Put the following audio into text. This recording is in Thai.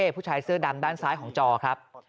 ผู้ชายเสื้อดำด้านซ้ายของจอครับ